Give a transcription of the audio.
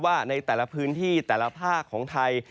ในแต่ละพื้นที่แต่ละภาคของไทย